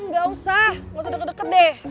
gak usah gak usah deket deket deh